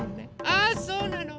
あそうなの。